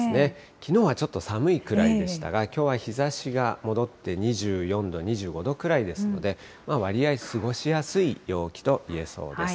きのうはちょっと寒いくらいでしたが、きょうはちょっと日ざしが戻って２４度、２５度ぐらいですので、わりあい過ごしやすい陽気といえそうです。